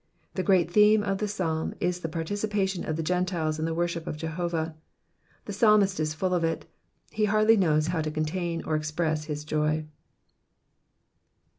The great theme of the psalm is the participation of the Gentiles in the worship of Jehovah ; the psalmist is full of it, he hardly knows how to contain or express his joy.